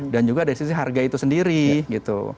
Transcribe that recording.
dan juga dari sisi harga itu sendiri gitu